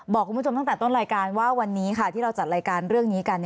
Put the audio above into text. บอกคุณผู้ชมตั้งแต่ต้นรายการว่าวันนี้ค่ะที่เราจัดรายการเรื่องนี้กัน